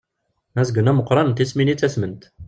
Azgen ameqqran d tismin i ttasment.